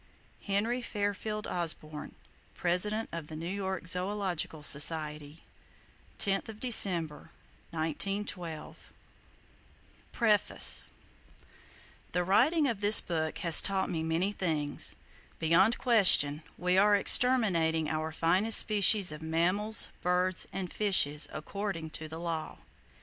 HENRY FAIRFIELD OSBORN, 10 December, 1912. President of the New York Zoological Society [Page ix] PREFACE The writing of this book has taught me many things. Beyond question, we are exterminating our finest species of mammals, birds and fishes according to law!